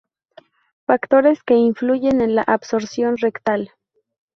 Factores que influyen en la absorción rectal.